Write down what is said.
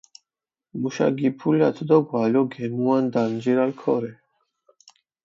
მუშა გიფულათ დო გვალო გემუან დანჯირალ ქორე.